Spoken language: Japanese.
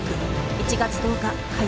１月１０日火曜